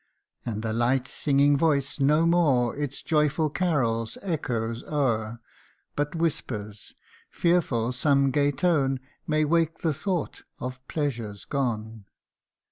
And the light singing voice no more Its joyful carols echoes o'er, But whispers ; fearful some gay tone May wake the thought of pleasures gone.